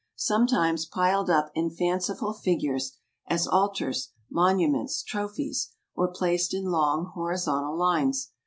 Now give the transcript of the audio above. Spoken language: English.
Sometimes piled up in fan¬ ciful figures, as altars, monuments, trophies; or placed in long horizontal lines.